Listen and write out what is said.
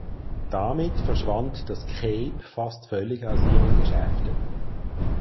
Damit verschwand das Cape fast völlig aus ihren Geschäften.